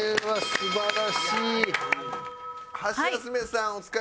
素晴らしい！